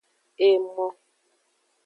Emo.